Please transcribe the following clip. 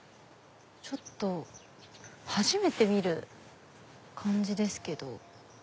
ちょっと初めて見る感じですけど。